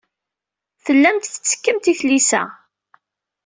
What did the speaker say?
Tellamt tettekkemt i tlisa.